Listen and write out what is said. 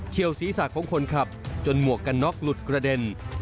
ศีรษะของคนขับจนหมวกกันน็อกหลุดกระเด็น